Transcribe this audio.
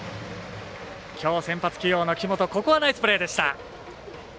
きょう、先発起用の木本ここはナイスプレーでした。